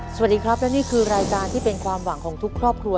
สวัสดีครับและนี่คือรายการที่เป็นความหวังของทุกครอบครัว